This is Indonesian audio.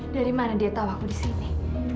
dari mana dia tahu aku disini